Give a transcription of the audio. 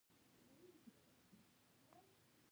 روسي پامیر مرکز ته ولاړو.